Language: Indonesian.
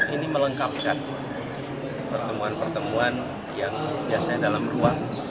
ini melengkapkan pertemuan pertemuan yang biasanya dalam ruang